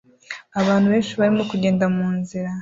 Abantu benshi barimo kugenda munzira